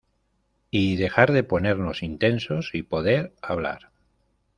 y dejar de ponernos intensos y poder hablar.